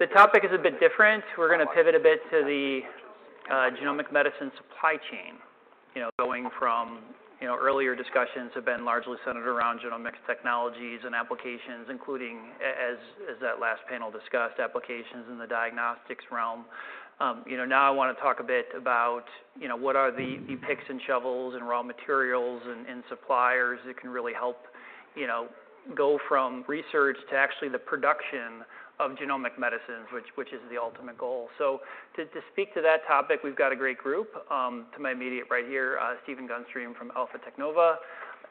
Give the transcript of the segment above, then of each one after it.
The topic is a bit different. We're gonna pivot a bit to the genomic medicine supply chain. You know, going from, you know, earlier discussions have been largely centered around genomic technologies and applications, including as that last panel discussed, applications in the diagnostics realm. You know, now I want to talk a bit about, you know, what are the picks and shovels, and raw materials, and suppliers that can really help, you know, go from research to actually the production of genomic medicines, which is the ultimate goal? So to speak to that topic, we've got a great group. To my immediate right here, Stephen Gunstream from Teknova,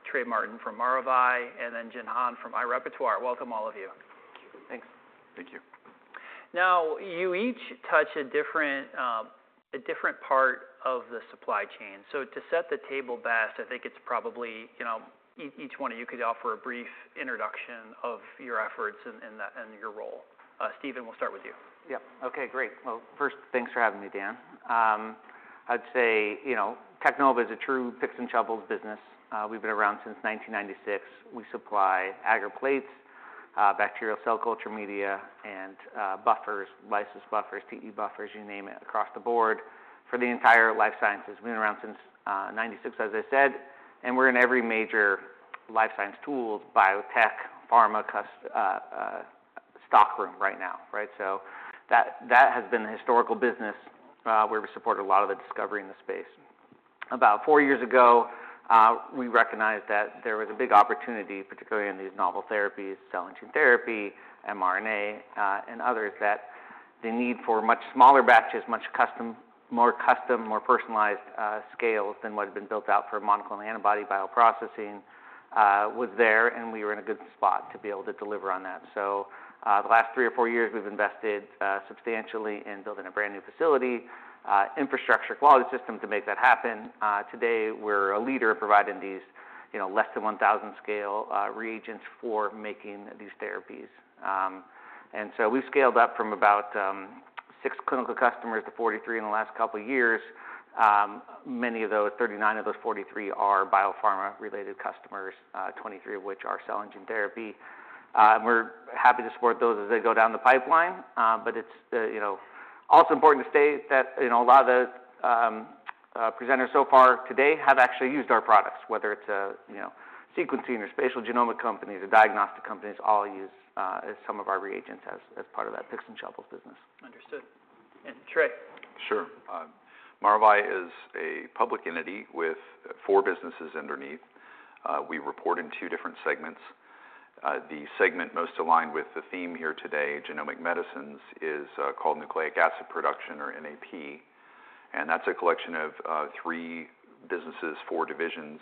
Trey Martin from Maravai, and then Jian Han from iRepertoire. Welcome, all of you. Thank you. Thanks. Thank you. Now, you each touch a different, a different part of the supply chain. So to set the table best, I think it's probably, you know, each one of you could offer a brief introduction of your efforts in and your role. Stephen, we'll start with you. Yep. Okay, great. Well, first, thanks for having me, Dan. I'd say, you know, Teknova is a true picks and shovels business. We've been around since 1996. We supply agar plates, bacterial cell culture media, and buffers, lysis buffers, TE buffers, you name it, across the board for the entire life sciences. Been around since 1996, as I said, and we're in every major life science tools, biotech, pharma customer's stock room right now, right? So that has been the historical business, where we supported a lot of the discovery in the space. About four years ago, we recognized that there was a big opportunity, particularly in these novel therapies, cell and gene therapy, mRNA, and others, that the need for much smaller batches, much custom- more custom, more personalized, scales than what had been built out for monoclonal antibody bioprocessing, was there, and we were in a good spot to be able to deliver on that. So, the last three or four years, we've invested substantially in building a brand-new facility, infrastructure, quality system to make that happen. Today, we're a leader in providing these, you know, less than 1,000 scale, reagents for making these therapies. And so we've scaled up from about, six clinical customers to 43 in the last couple of years. Many of those, 39 of those 43 are biopharma-related customers, 23 of which are cell and gene therapy. And we're happy to support those as they go down the pipeline. But it's, you know, also important to state that, you know, a lot of the presenters so far today have actually used our products, whether it's a, you know, sequencing or spatial genomic companies or diagnostic companies, all use some of our reagents as part of that picks and shovels business. Understood. And Trey? Sure. Maravai is a public entity with four businesses underneath. We report in two different segments. The segment most aligned with the theme here today, genomic medicines, is called Nucleic Acid Production, or NAP, and that's a collection of three businesses, four divisions.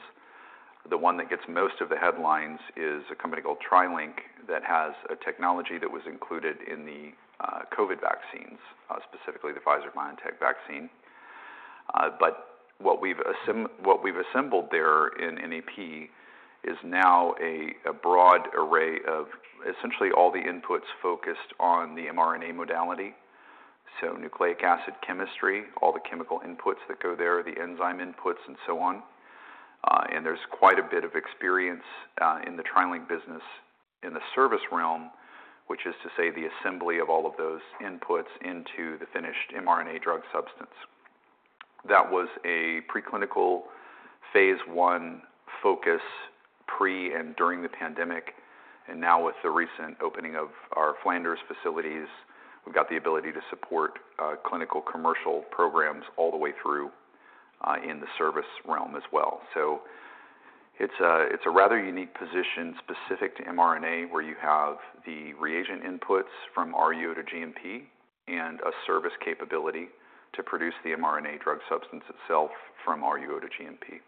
The one that gets most of the headlines is a company called TriLink, that has a technology that was included in the COVID vaccines, specifically the Pfizer BioNTech vaccine. But what we've assembled there in NAP is now a broad array of essentially all the inputs focused on the mRNA modality, so nucleic acid chemistry, all the chemical inputs that go there, the enzyme inputs, and so on. And there's quite a bit of experience in the TriLink business in the service realm, which is to say the assembly of all of those inputs into the finished mRNA drug substance. That was a preclinical phase I focus, pre and during the pandemic, and now with the recent opening of our Flanders facilities, we've got the ability to support clinical commercial programs all the way through in the service realm as well. So it's a, it's a rather unique position specific to mRNA, where you have the reagent inputs from RUO to GMP, and a service capability to produce the mRNA drug substance itself from RUO to GMP.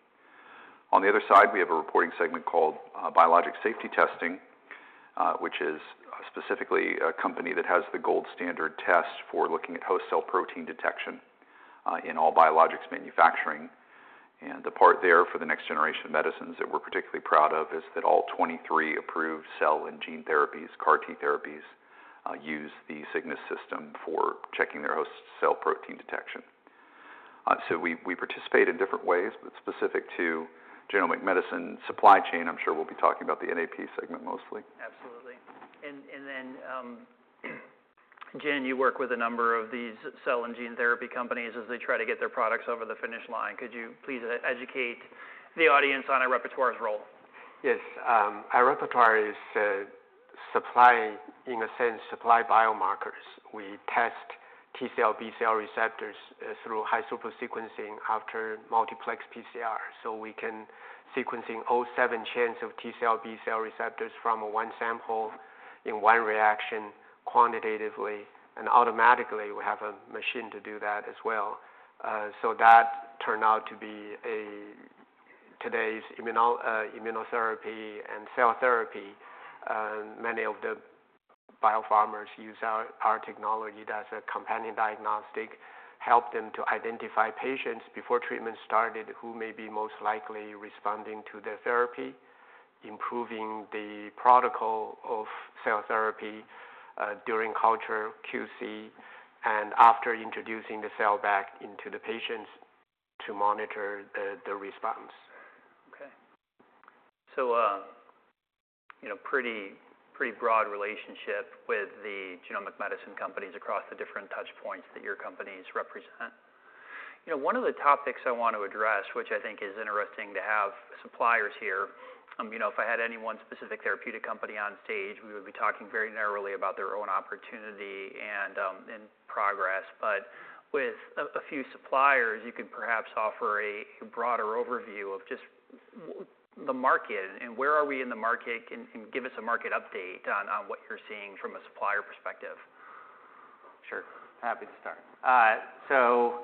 On the other side, we have a reporting segment called Biologics Safety Testing, which is specifically a company that has the gold standard test for looking at host cell protein detection in all biologics manufacturing. And the part there for the next generation of medicines that we're particularly proud of is that all 23 approved cell and gene therapies, CAR T therapies, use the Cygnus system for checking their host cell protein detection. So we participate in different ways, but specific to genomic medicine supply chain, I'm sure we'll be talking about the NAP segment mostly. Absolutely. Then, Jian, you work with a number of these cell and gene therapy companies as they try to get their products over the finish line. Could you please educate the audience on iRepertoire's role? Yes. iRepertoire is, in a sense, supply biomarkers. We test T cell, B cell receptors through high-throughput sequencing after multiplex PCR. So we can sequencing all seven chains of T cell, B cell receptors from one sample in one reaction, quantitatively and automatically. We have a machine to do that as well. So that turned out to be a today's immunotherapy and cell therapy, many of the biopharmas use our technology as a companion diagnostic, help them to identify patients before treatment started, who may be most likely responding to the therapy, improving the protocol of cell therapy, during culture QC, and after introducing the cell back into the patients to monitor the response. Okay. So, you know, pretty, pretty broad relationship with the genomic medicine companies across the different touch points that your companies represent. You know, one of the topics I want to address, which I think is interesting to have suppliers here, you know, if I had any one specific therapeutic company on stage, we would be talking very narrowly about their own opportunity and, and progress. But with a, a few suppliers, you could perhaps offer a broader overview of just the market and where are we in the market, and, and give us a market update on, on what you're seeing from a supplier perspective. Sure. Happy to start. So,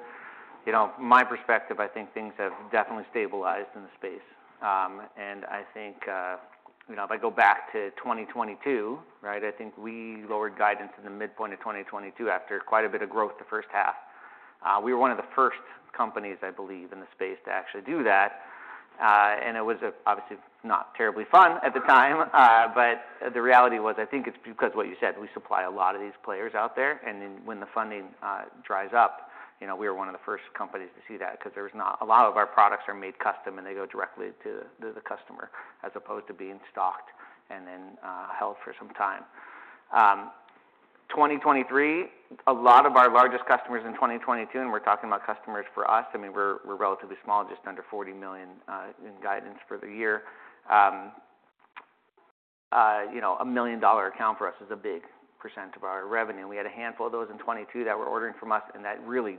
you know, my perspective, I think things have definitely stabilized in the space. And I think, you know, if I go back to 2022, right? I think we lowered guidance in the midpoint of 2022 after quite a bit of growth the first half. We were one of the first companies, I believe, in the space to actually do that. And it was, obviously, not terribly fun at the time, but the reality was, I think it's because what you said, we supply a lot of these players out there, and then when the funding dries up, you know, we are one of the first companies to see that 'cause there's not... A lot of our products are made custom, and they go directly to the customer, as opposed to being stocked and then held for some time. 2023, a lot of our largest customers in 2022, and we're talking about customers for us, I mean, we're relatively small, just under $40 million in guidance for the year. You know, a $1 million account for us is a big percent of our revenue, and we had a handful of those in 2022 that were ordering from us, and that really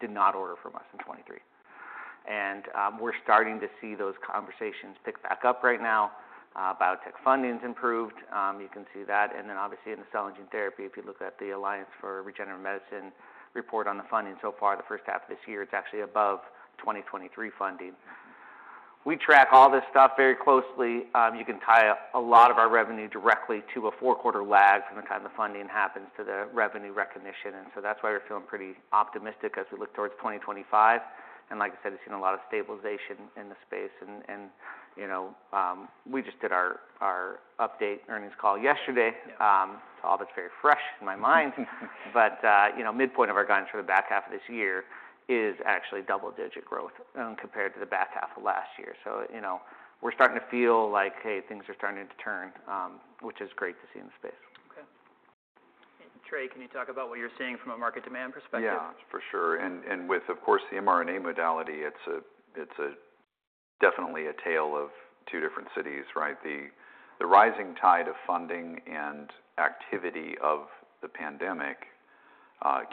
did not order from us in 2023. And we're starting to see those conversations pick back up right now. Biotech funding's improved, you can see that, and then obviously in the cell and gene therapy, if you look at the Alliance for Regenerative Medicine report on the funding so far, the first half of this year, it's actually above 2023 funding. We track all this stuff very closely. You can tie a lot of our revenue directly to a four-quarter lag from the time the funding happens to the revenue recognition, and so that's why we're feeling pretty optimistic as we look towards 2025. And like I said, it's seen a lot of stabilization in the space and, you know, we just did our update earnings call yesterday. So all that's very fresh in my mind. But, you know, midpoint of our guidance for the back half of this year is actually double-digit growth, compared to the back half of last year. So, you know, we're starting to feel like, hey, things are starting to turn, which is great to see in the space. Okay. Trey, can you talk about what you're seeing from a market demand perspective? Yeah, for sure. And with, of course, the mRNA modality, it's definitely a tale of two different cities, right? The rising tide of funding and activity of the pandemic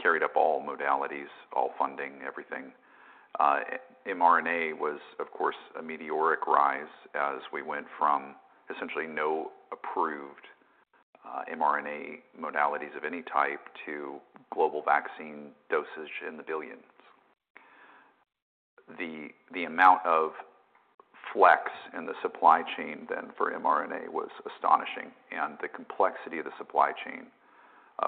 carried up all modalities, all funding, everything. mRNA was, of course, a meteoric rise as we went from essentially no approved mRNA modalities of any type to global vaccine dosage in the billions. The amount of flex in the supply chain then for mRNA was astonishing, and the complexity of the supply chain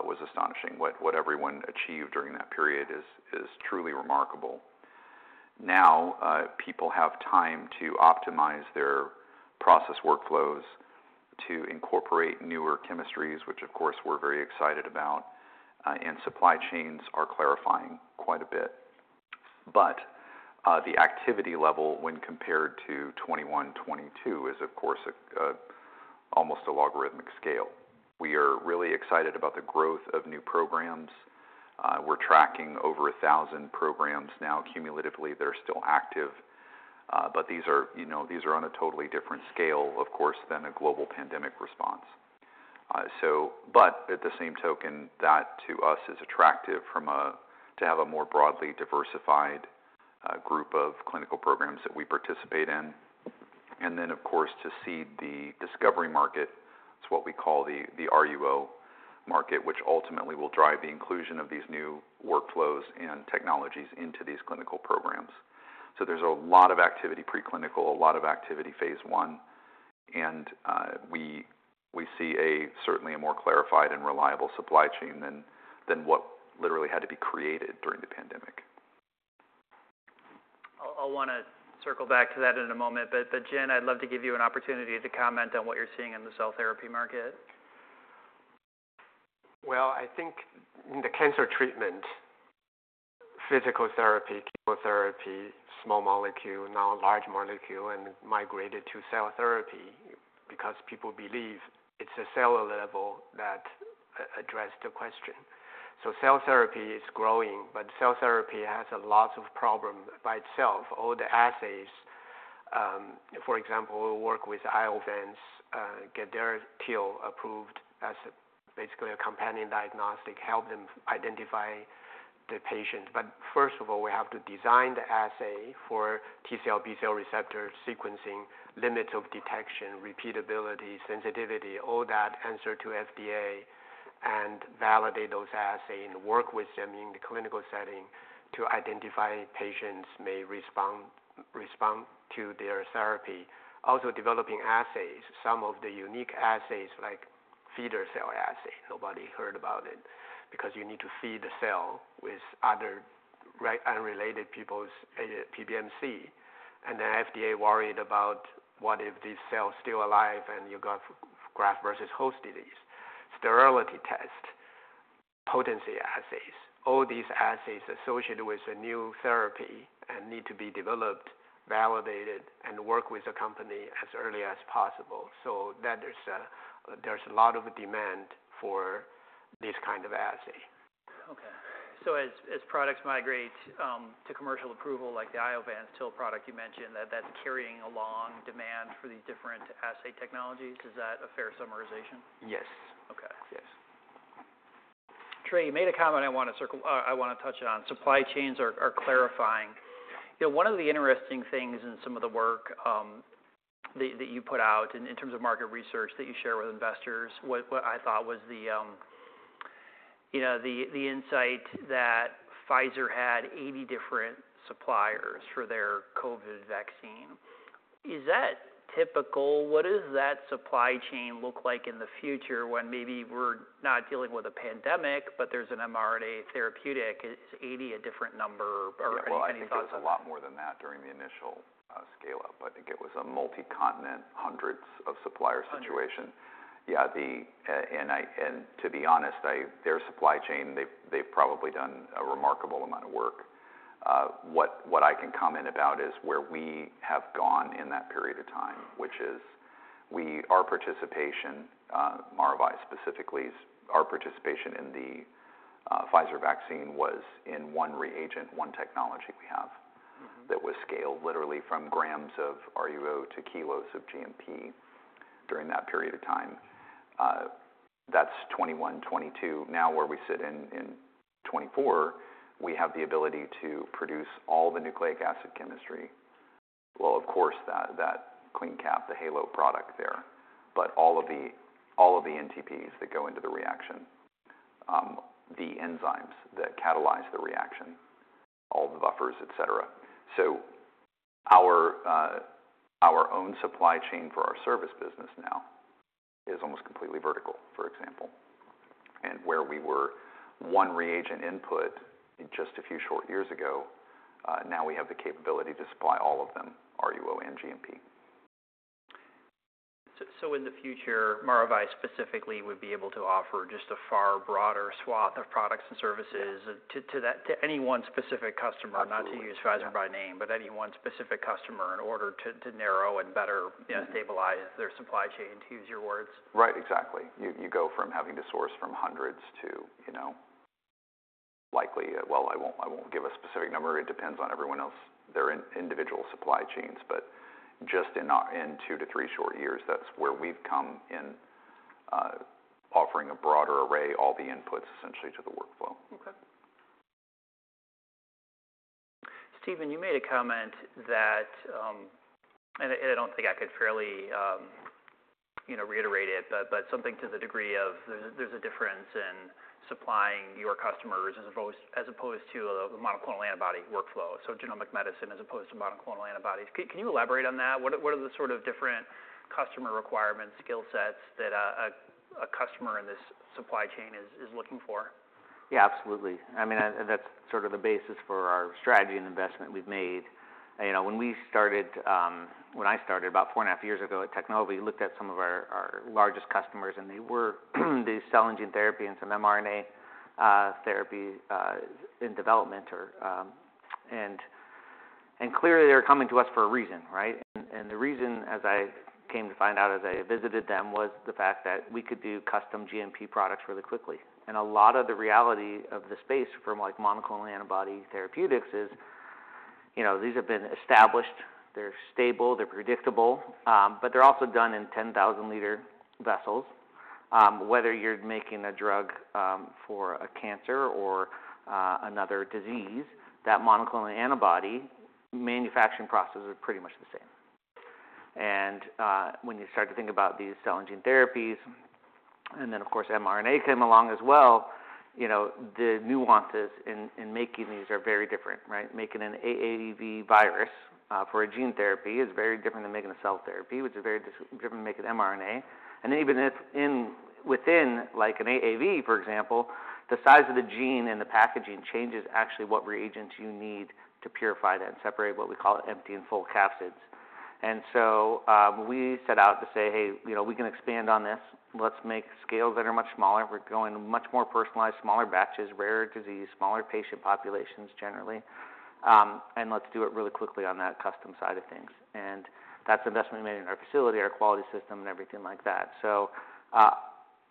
was astonishing. What everyone achieved during that period is truly remarkable. Now, people have time to optimize their process workflows to incorporate newer chemistries, which of course we're very excited about, and supply chains are clarifying quite a bit. But, the activity level when compared to 2021, 2022 is, of course, almost a logarithmic scale. We are really excited about the growth of new programs. We're tracking over 1,000 programs now, cumulatively, they're still active. But these are, you know, these are on a totally different scale, of course, than a global pandemic response. So but at the same token, that to us is attractive from a to have a more broadly diversified, group of clinical programs that we participate in. And then, of course, to see the discovery market, it's what we call the RUO market, which ultimately will drive the inclusion of these new workflows and technologies into these clinical programs. So there's a lot of activity, preclinical, a lot of activity, phase I, and we see certainly a more clarified and reliable supply chain than what literally had to be created during the pandemic. I'll wanna circle back to that in a moment, but Jian, I'd love to give you an opportunity to comment on what you're seeing in the cell therapy market. Well, I think in the cancer treatment, physical therapy, chemotherapy, small molecule, now large molecule, and migrated to cell therapy because people believe it's a cellular level that address the question. So cell therapy is growing, but cell therapy has a lot of problem by itself. All the assays, for example, work with Iovance, get their TIL approved as basically a companion diagnostic, help them identify the patient. But first of all, we have to design the assay for TCR, BCR receptor sequencing, limits of detection, repeatability, sensitivity, all that answer to FDA, and validate those assay and work with them in the clinical setting to identify patients may respond, respond to their therapy. Also, developing assays, some of the unique assays, like feeder cell assay, nobody heard about it, because you need to feed the cell with other unrelated people's PBMC. The FDA worried about what if this cell is still alive and you got graft versus host disease. Sterility tests, potency assays. All these assays associated with a new therapy and need to be developed, validated, and work with the company as early as possible. So that there's, there's a lot of demand for this kind of assay. Okay. So as products migrate to commercial approval, like the Iovance TIL product you mentioned, that's carrying along demand for these different assay technologies. Is that a fair summarization? Yes. Okay. Yes. Trey, you made a comment I want to touch on: supply chains are clarifying. You know, one of the interesting things in some of the work that you put out in terms of market research that you share with investors, what I thought was the you know, the insight that Pfizer had 80 different suppliers for their COVID vaccine. Is that typical? What does that supply chain look like in the future when maybe we're not dealing with a pandemic, but there's an mRNA therapeutic? Is 80 a different number or any thoughts? Well, I think it was a lot more than that during the initial scale-up. I think it was a multi-continent, hundreds of suppliers situation. Hundreds, okay. Yeah, to be honest, their supply chain, they've probably done a remarkable amount of work. What I can comment about is where we have gone in that period of time, which is our participation, Maravai specifically, our participation in the Pfizer vaccine was in one reagent, one technology we have that was scaled literally from grams of RUO to kilos of GMP during that period of time. That's 2021, 2022. Now, where we sit in 2024, we have the ability to produce all the nucleic acid chemistry. Well, of course, that CleanCap, the HALO product there, but all of the NTPs that go into the reaction, the enzymes that catalyze the reaction, all the buffers, et cetera. So our own supply chain for our service business now is almost completely vertical, for example. And where we were one reagent input just a few short years ago, now we have the capability to supply all of them, RUO and GMP. So, in the future, Maravai specifically would be able to offer just a far broader swath of products and services to that, to any one specific customer. Not to use Pfizer by name, but any one specific customer, in order to narrow and better stabilize their supply chain, to use your words. Right. Exactly. You go from having to source from hundreds to, you know, likely... Well, I won't, I won't give a specific number. It depends on everyone else, their individual supply chains. But just in, in two to three short years, that's where we've come in, offering a broader array, all the inputs essentially to the workflow. Okay. Stephen, you made a comment that and I don't think I could fairly, you know, reiterate it, but something to the degree of there's a difference in supplying your customers as opposed to a monoclonal antibody workflow, so genomic medicine as opposed to monoclonal antibodies. Can you elaborate on that? What are the sort of different customer requirements, skill sets that a customer in this supply chain is looking for? Yeah, absolutely. I mean, that's sort of the basis for our strategy and investment we've made. You know, when we started, when I started about four and a half years ago at Teknova, we looked at some of our, our largest customers, and they were the cell and gene therapy and some mRNA therapy in development or... And clearly they were coming to us for a reason, right? And the reason, as I came to find out as I visited them, was the fact that we could do custom GMP products really quickly. And a lot of the reality of the space from, like, monoclonal antibody therapeutics is, you know, these have been established, they're stable, they're predictable, but they're also done in 10,000 L vessels. Whether you're making a drug for a cancer or another disease, that monoclonal antibody manufacturing processes are pretty much the same. And when you start to think about these cell and gene therapies, and then, of course, mRNA came along as well, you know, the nuances in making these are very different, right? Making an AAV virus for a gene therapy is very different than making a cell therapy, which is very different than making an mRNA. And even within, like, an AAV, for example, the size of the gene and the packaging changes actually what reagents you need to purify that and separate what we call empty and full capsids. And so, we set out to say, "Hey, you know, we can expand on this. Let's make scales that are much smaller. We're going much more personalized, smaller batches, rare disease, smaller patient populations, generally. And let's do it really quickly on that custom side of things." And that's the investment we made in our facility, our quality system, and everything like that. So,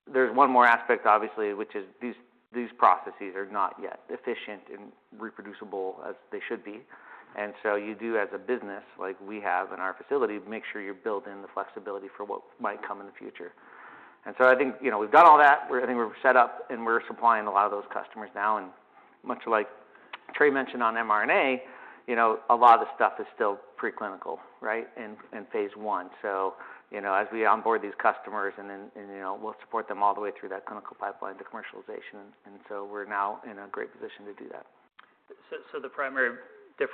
there's one more aspect, obviously, which is these, these processes are not yet efficient and reproducible as they should be. And so you do as a business, like we have in our facility, make sure you build in the flexibility for what might come in the future. And so I think, you know, we've done all that. I think we're set up, and we're supplying a lot of those customers now. And much like Trey mentioned on mRNA, you know, a lot of this stuff is still preclinical, right? In phase I. So, you know, as we onboard these customers and then, you know, we'll support them all the way through that clinical pipeline to commercialization, and so we're now in a great position to do that. The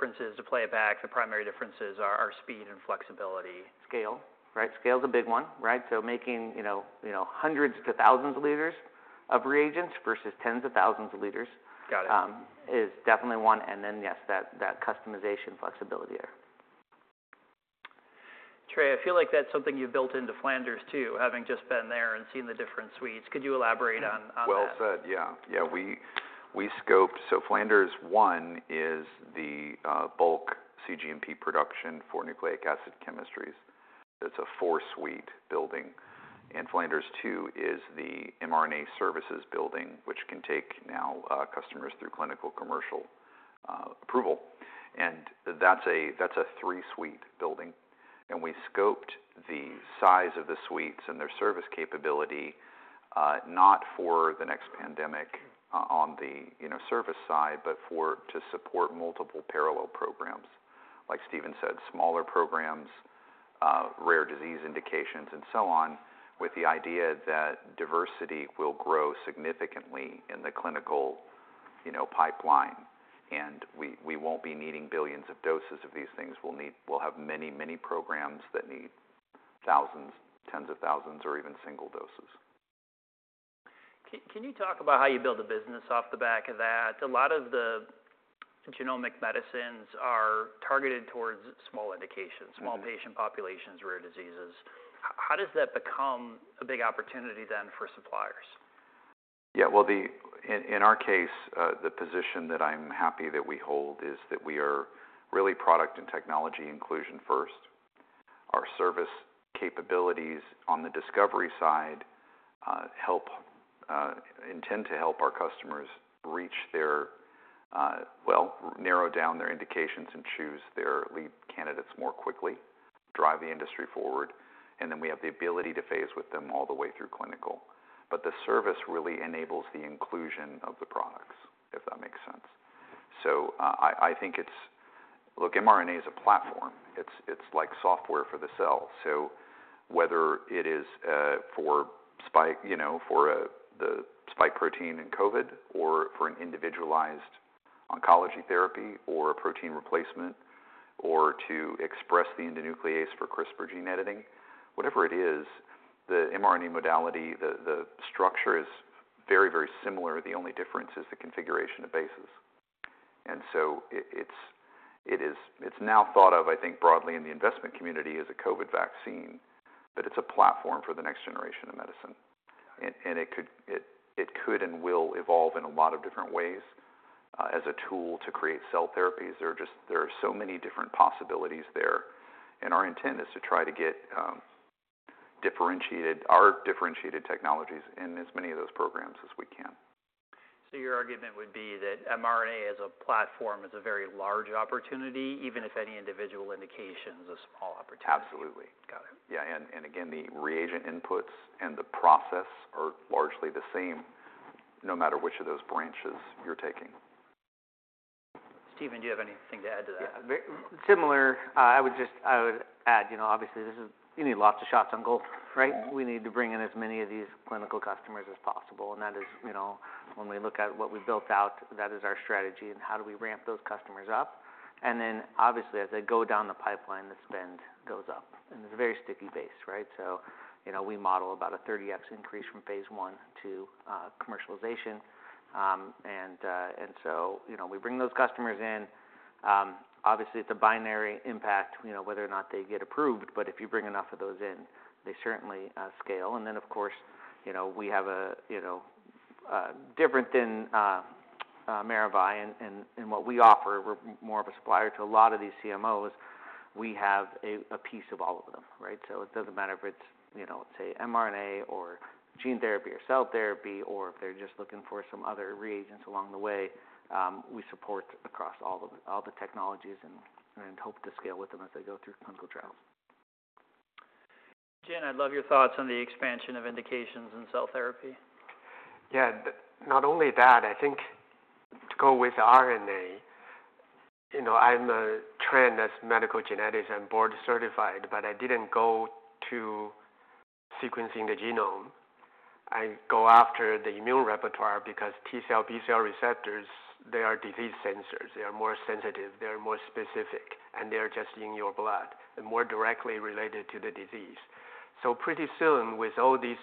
primary differences are speed and flexibility. Scale, right? Scale is a big one, right? So making, you know, you know, hundreds to thousands of liters of reagents versus tens of thousands of liters- Got it... is definitely one, and then, yes, that, that customization flexibility there. Trey, I feel like that's something you built into Flanders, too, having just been there and seen the different suites. Could you elaborate on that? Well said, yeah. Yeah, we scoped. So Flanders 1 is the bulk cGMP production for nucleic acid chemistries. It's a 4-suite building. Flanders 1 is the mRNA services building, which can take now customers through clinical commercial approval. That's a three-suite building. We scoped the size of the suites and their service capability, not for the next pandemic on the, you know, service side, but to support multiple parallel programs. Like Stephen said, smaller programs, rare disease indications, and so on, with the idea that diversity will grow significantly in the clinical, you know, pipeline, and we won't be needing billions of doses of these things. We'll need. We'll have many, many programs that need thousands, tens of thousands, or even single doses. Can you talk about how you build a business off the back of that? A lot of the genomic medicines are targeted towards small indications, small patient populations, rare diseases. How does that become a big opportunity then for suppliers? Yeah, well, in our case, the position that I'm happy that we hold is that we are really product and technology inclusion first. Our service capabilities on the discovery side help intend to help our customers reach their well narrow down their indications and choose their lead candidates more quickly, drive the industry forward, and then we have the ability to phase with them all the way through clinical. But the service really enables the inclusion of the products, if that makes sense. So, I think it's. Look, mRNA is a platform. It's like software for the cell. So whether it is for spike, you know, for the spike protein in COVID, or for an individualized oncology therapy, or a protein replacement, or to express the endonuclease for CRISPR gene editing, whatever it is, the mRNA modality, the structure is very, very similar. The only difference is the configuration of bases. And so it's, it is—it's now thought of, I think, broadly in the investment community as a COVID vaccine, but it's a platform for the next generation of medicine. And it could, it could and will evolve in a lot of different ways as a tool to create cell therapies. There are just. There are so many different possibilities there, and our intent is to try to get differentiated, our differentiated technologies in as many of those programs as we can. Your argument would be that mRNA as a platform is a very large opportunity, even if any individual indication is a small opportunity? Absolutely. Got it. Yeah, and, and again, the reagent inputs and the process are largely the same, no matter which of those branches you're taking. Stephen, do you have anything to add to that? Yeah. Very similar, I would just... I would add, you know, obviously, this is you need lots of shots on goal, right? We need to bring in as many of these clinical customers as possible, and that is, you know, when we look at what we built out, that is our strategy, and how do we ramp those customers up? And then, obviously, as they go down the pipeline, the spend goes up. And it's a very sticky base, right? So, you know, we model about a 30x increase from phase I to commercialization. And so, you know, we bring those customers in. Obviously, it's a binary impact, you know, whether or not they get approved, but if you bring enough of those in, they certainly scale. And then, of course, you know, we have a different than everybody, and what we offer, we're more of a supplier to a lot of these CMOs. We have a piece of all of them, right? So it doesn't matter if it's, you know, let's say, mRNA, or gene therapy, or cell therapy, or if they're just looking for some other reagents along the way, we support across all the technologies and hope to scale with them as they go through clinical trials. Jian, I'd love your thoughts on the expansion of indications in cell therapy. Yeah. Not only that, I think to go with RNA, you know, I'm trained as medical genetics and board certified, but I didn't go to sequencing the genome. I go after the immune repertoire, because T cell, B cell receptors, they are disease sensors. They are more sensitive, they are more specific, and they are just in your blood and more directly related to the disease. So pretty soon, with all these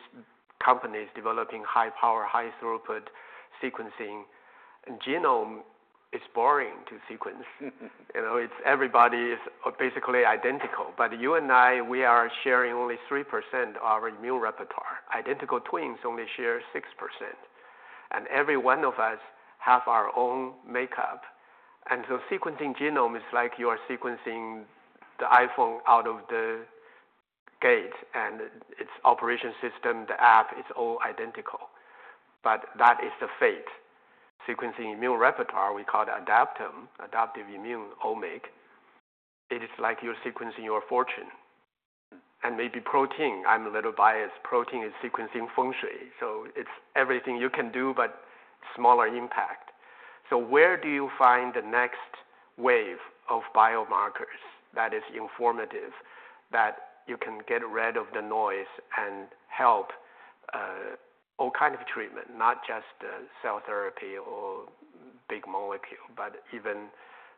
companies developing high power, high throughput, sequencing, and genome is boring to sequence. You know, it's everybody is basically identical, but you and I, we are sharing only 3% of our immune repertoire. Identical twins only share 6%, and every one of us have our own makeup. And so sequencing genome is like you are sequencing the iPhone out of the gate, and its operating system, the app, is all identical. But that is the fate. Sequencing immune repertoire, we call it adaptome, adaptive immune omic. It is like you're sequencing your fortune and maybe protein. I'm a little biased. Protein is sequencing feng shui, so it's everything you can do, but smaller impact. So where do you find the next wave of biomarkers that is informative, that you can get rid of the noise and help all kind of treatment, not just cell therapy or big molecule? But even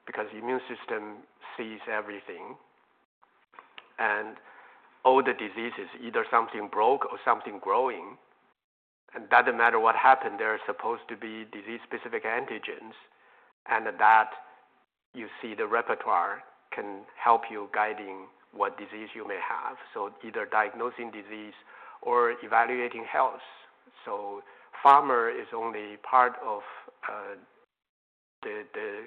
because the immune system sees everything, and all the diseases, either something broke or something growing and doesn't matter what happened, there are supposed to be disease-specific antigens, and that you see the repertoire can help you guiding what disease you may have, so either diagnosing disease or evaluating health. So pharma is only part of the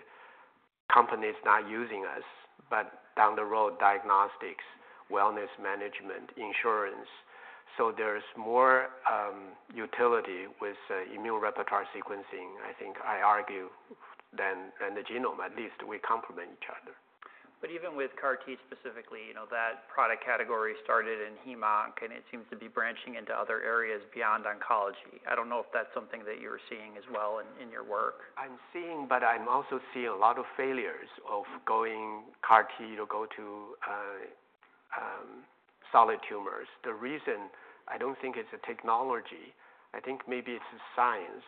companies not using us, but down the road, diagnostics, wellness management, insurance. So there's more utility with immune repertoire sequencing, I think I argue, than the genome. At least we complement each other. Even with CAR T specifically, you know, that product category started in heme onc, and it seems to be branching into other areas beyond oncology. I don't know if that's something that you're seeing as well in your work. I'm seeing, but I'm also seeing a lot of failures of going CAR T to go to solid tumors. The reason I don't think it's a technology, I think maybe it's a science,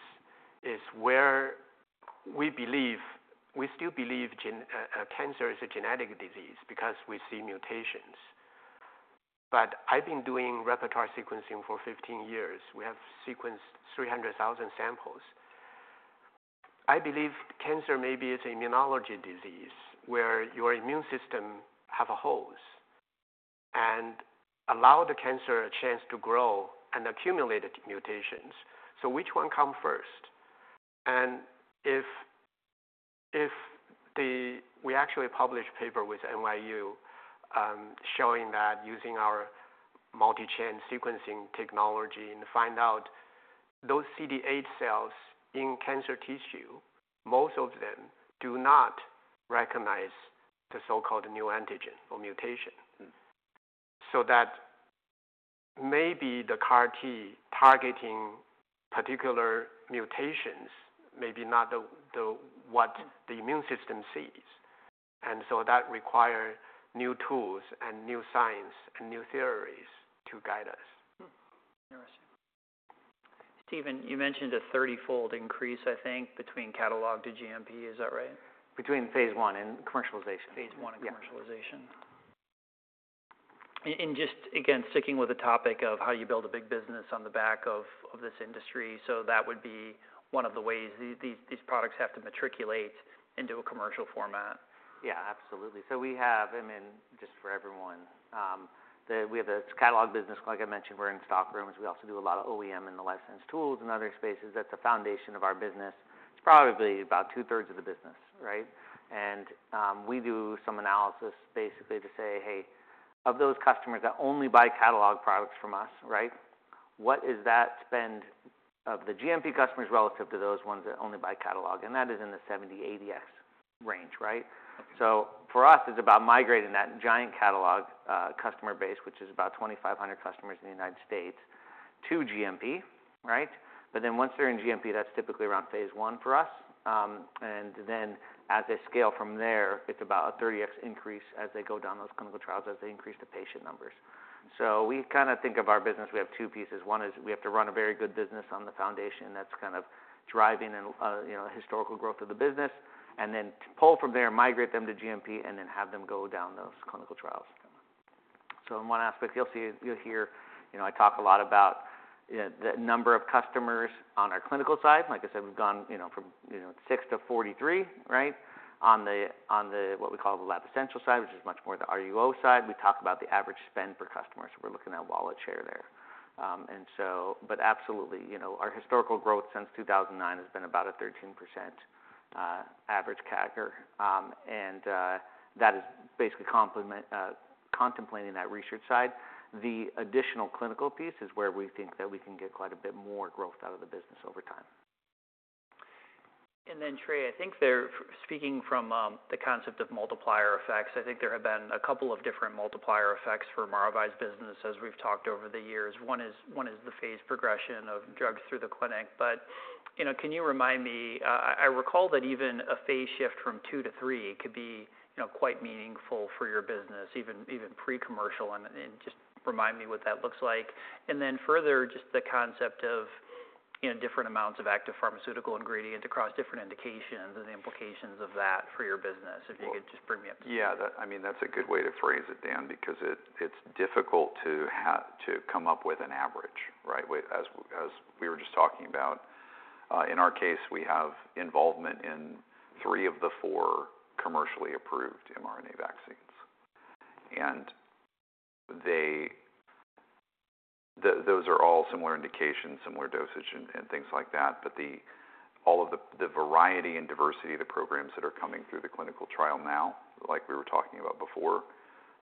is where we believe—we still believe cancer is a genetic disease, because we see mutations. But I've been doing repertoire sequencing for 15 years. We have sequenced 300,000 samples. I believe cancer maybe is an immunology disease, where your immune system have a holes, and allow the cancer a chance to grow and accumulate mutations. So which one come first? And if the... We actually published a paper with NYU, showing that using our multi-chain sequencing technology, and find out those CD8 cells in cancer tissue, most of them do not recognize the so-called neoantigen or mutation. So that maybe the CAR T targeting particular mutations may be not what the immune system sees, and so that require new tools, and new science, and new theories to guide us. Interesting. Stephen, you mentioned a 30-fold increase, I think, between catalog to GMP, is that right? Between phase I and commercialization. Phase I. Yeah... and commercialization. And just again, sticking with the topic of how you build a big business on the back of this industry, so that would be one of the ways. These products have to matriculate into a commercial format. Yeah, absolutely. So we have... I mean, just for everyone, we have a catalog business. Like I mentioned, we're in stock rooms. We also do a lot of OEM and the licensed tools and other spaces. That's the foundation of our business. It's probably about two-thirds of the business, right? And, we do some analysis basically to say, "Hey, of those customers that only buy catalog products from us, right, what is that spend of the GMP customers relative to those ones that only buy catalog?" And that is in the 70x-80x range, right? So for us, it's about migrating that giant catalog customer base, which is about 2,500 customers in the United States, to GMP, right? But then once they're in GMP, that's typically around phase I for us. And then as they scale from there, it's about a 30x increase as they go down those clinical trials, as they increase the patient numbers. So we kind of think of our business, we have two pieces. One is we have to run a very good business on the foundation, that's kind of driving and, you know, historical growth of the business, and then pull from there, migrate them to GMP, and then have them go down those clinical trials. So in one aspect, you'll see, you'll hear, you know, I talk a lot about, you know, the number of customers on our clinical side. Like I said, we've gone, you know, from, you know, six to 43, right? On the, on the... What we call the lab essential side, which is much more the RUO side, we talk about the average spend per customer, so we're looking at wallet share there. And so, but absolutely, you know, our historical growth since 2009 has been about a 13% average CAGR. And that is basically contemplating that research side. The additional clinical piece is where we think that we can get quite a bit more growth out of the business over time. And then, Trey, I think there, speaking from the concept of multiplier effects, I think there have been a couple of different multiplier effects for Maravai's business, as we've talked over the years. One is the phase progression of drugs through the clinic. But, you know, can you remind me... I recall that even a phase shift from II to III could be, you know, quite meaningful for your business, even pre-commercial, and just remind me what that looks like. And then further, just the concept of, you know, different amounts of active pharmaceutical ingredient across different indications and the implications of that for your business, if you could just bring me up to speed. Yeah, that, I mean, that's a good way to phrase it, Dan, because it, it's difficult to have to come up with an average, right? With as we were just talking about, in our case, we have involvement in three of the four commercially approved mRNA vaccines. And those are all similar indications, similar dosage and, and things like that, but the, all of the, the variety and diversity of the programs that are coming through the clinical trial now, like we were talking about before,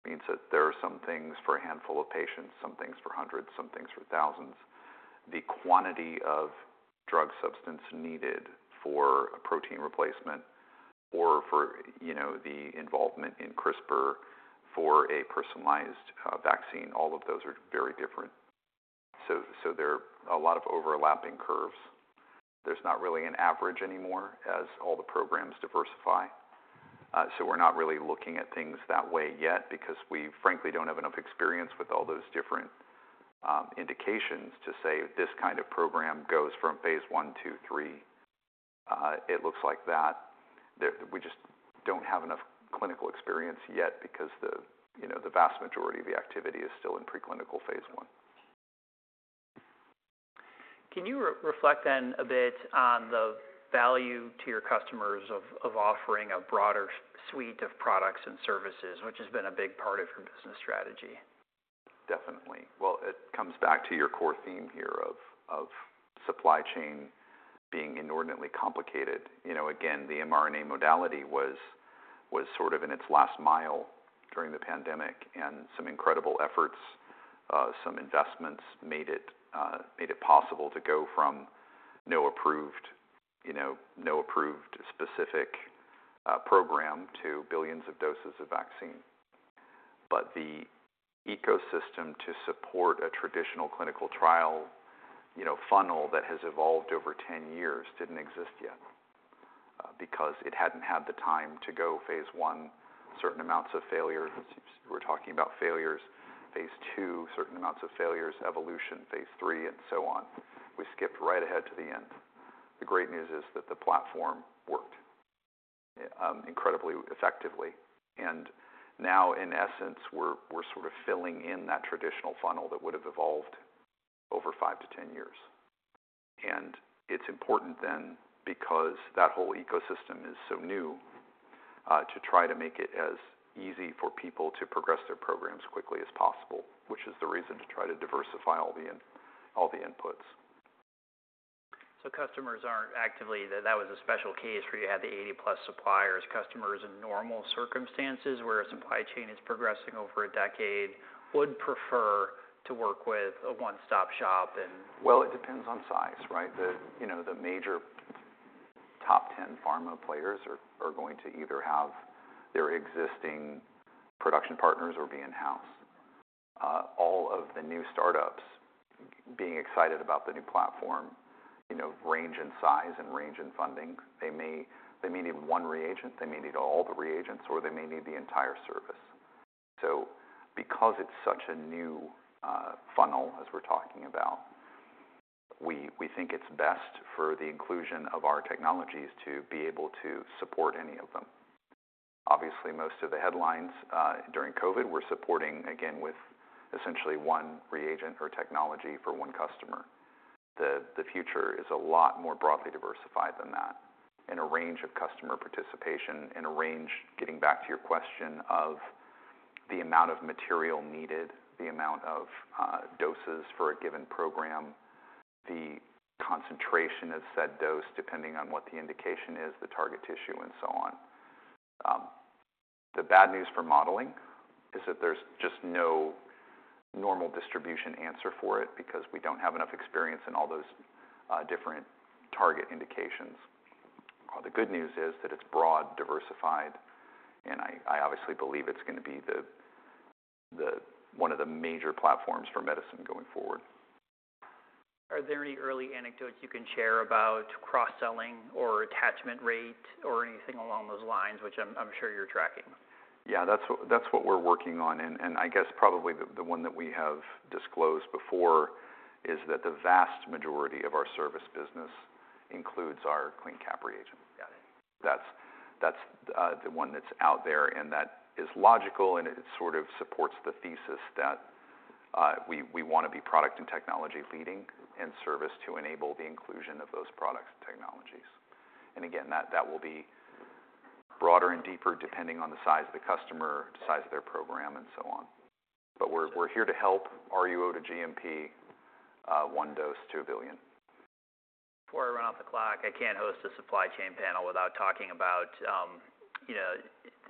means that there are some things for a handful of patients, some things for hundreds, some things for thousands. The quantity of drug substance needed for a protein replacement or for, you know, the involvement in CRISPR for a personalized vaccine, all of those are very different. So, so there are a lot of overlapping curves. There's not really an average anymore, as all the programs diversify. So we're not really looking at things that way yet, because we frankly don't have enough experience with all those different indications to say this kind of program goes from phase I, II, III. We just don't have enough clinical experience yet because, you know, the vast majority of the activity is still in preclinical phase I. Can you re-reflect then a bit on the value to your customers of offering a broader suite of products and services, which has been a big part of your business strategy? Definitely. Well, it comes back to your core theme here of supply chain being inordinately complicated. You know, again, the mRNA modality was sort of in its last mile during the pandemic, and some incredible efforts, some investments made it possible to go from no approved, you know, no approved specific program to billions of doses of vaccine. But the ecosystem to support a traditional clinical trial, you know, funnel that has evolved over 10 years, didn't exist yet, because it hadn't had the time to go phase I, certain amounts of failure, since we're talking about failures, phase II, certain amounts of failures, evolution, phase III, and so on. We skipped right ahead to the end. The great news is that the platform worked incredibly effectively, and now, in essence, we're sort of filling in that traditional funnel that would have evolved over five to 10 years. It's important then, because that whole ecosystem is so new, to try to make it as easy for people to progress their programs quickly as possible, which is the reason to try to diversify all the inputs. So customers aren't actively... That, that was a special case where you had the 80+ suppliers. Customers in normal circumstances, where a supply chain is progressing over a decade, would prefer to work with a one-stop shop and- Well, it depends on size, right? The, you know, the major top 10 pharma players are, are going to either have their existing production partners or be in-house. All of the new startups being excited about the new platform, you know, range in size and range in funding. They may, they may need one reagent, they may need all the reagents, or they may need the entire service. So because it's such a new funnel, as we're talking about, we, we think it's best for the inclusion of our technologies to be able to support any of them. Obviously, most of the headlines during COVID were supporting, again, with essentially one reagent or technology for one customer. The future is a lot more broadly diversified than that in a range of customer participation, in a range, getting back to your question, of the amount of material needed, the amount of doses for a given program, the concentration of said dose, depending on what the indication is, the target tissue, and so on. The bad news for modeling is that there's just no normal distribution answer for it, because we don't have enough experience in all those different target indications. The good news is that it's broad, diversified, and I obviously believe it's going to be the one of the major platforms for medicine going forward. Are there any early anecdotes you can share about cross-selling or attachment rate or anything along those lines, which I'm sure you're tracking? Yeah, that's what we're working on, and I guess probably the one that we have disclosed before is that the vast majority of our service business includes our CleanCap reagent. Got it. That's the one that's out there, and that is logical, and it sort of supports the thesis that we want to be product and technology leading, and service to enable the inclusion of those products and technologies. And again, that will be broader and deeper, depending on the size of the customer, the size of their program, and so on. But we're here to help RUO to GMP, one dose to a billion. Before I run off the clock, I can't host a supply chain panel without talking about, you know,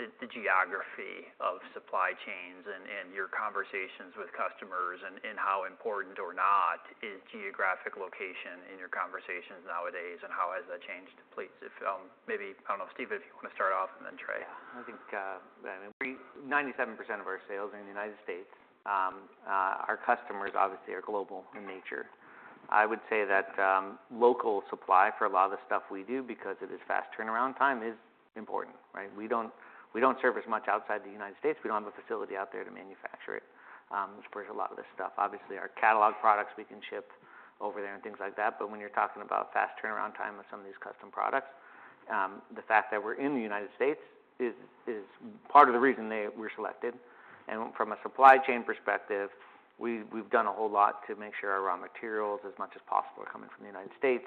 the geography of supply chains and your conversations with customers, and how important or not is geographic location in your conversations nowadays, and how has that changed? Please, if maybe, I don't know, Stephen, if you want to start off and then Trey. Yeah. I think 97% of our sales are in the United States. Our customers obviously are global in nature. I would say that local supply for a lot of the stuff we do, because it is fast turnaround time, is important, right? We don't serve as much outside the United States. We don't have a facility out there to manufacture it, which brings a lot of this stuff. Obviously, our catalog products, we can ship over there and things like that, but when you're talking about fast turnaround time with some of these custom products, the fact that we're in the United States is part of the reason they were selected. From a supply chain perspective, we've done a whole lot to make sure our raw materials, as much as possible, are coming from the United States,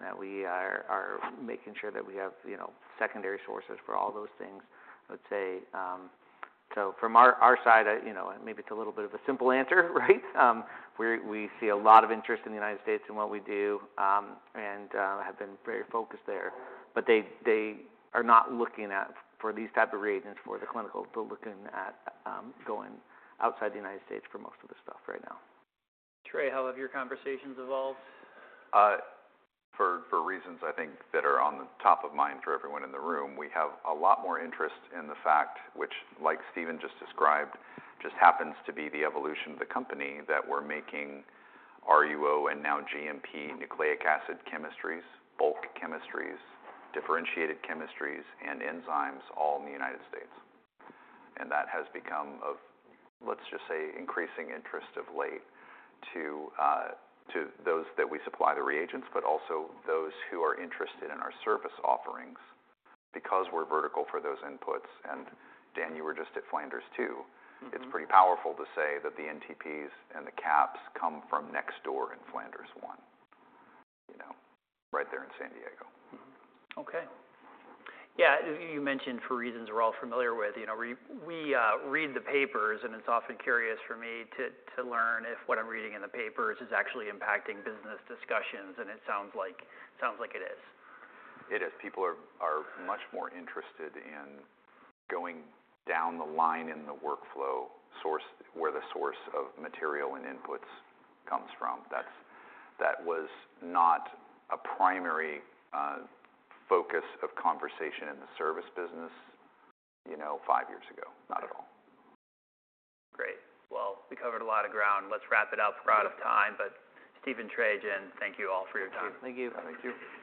that we are making sure that we have, you know, secondary sources for all those things, let's say. So from our side, you know, maybe it's a little bit of a simple answer, right? We see a lot of interest in the United States in what we do, and have been very focused there. But they are not looking at, for these type of reagents, for the clinical, they're looking at going outside the United States for most of this stuff right now. Trey, how have your conversations evolved? For reasons I think that are on the top of mind for everyone in the room, we have a lot more interest in the fact, which, like Stephen just described, just happens to be the evolution of the company, that we're making RUO and now GMP nucleic acid chemistries, bulk chemistries, differentiated chemistries, and enzymes all in the United States. That has become of, let's just say, increasing interest of late to those that we supply the reagents, but also those who are interested in our service offerings. Because we're vertical for those inputs, and Dan, you were just at Flanders 2. It's pretty powerful to say that the NTPs and the caps come from next door in Flanders 1, you know, right there in San Diego. Mm-hmm. Okay. Yeah, you mentioned for reasons we're all familiar with, you know, we read the papers, and it's often curious for me to learn if what I'm reading in the papers is actually impacting business discussions, and it sounds like it is. It is. People are much more interested in going down the line in the workflow source, where the source of material and inputs comes from. That was not a primary focus of conversation in the service business, you know, five years ago. Not at all. Great. Well, we covered a lot of ground. Let's wrap it up. We're out of time, but Stephen and Trey, Jian, thank you all for your time. Thank you. Thank you.